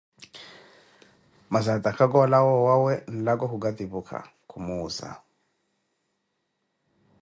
Masi, atakhaka olaawo owawe, nlako khukatipukha, khumuuza.